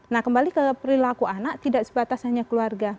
nah kembali ke perilaku anak tidak sebatas hanya keluarga